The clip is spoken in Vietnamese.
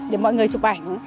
để mọi người chụp ảnh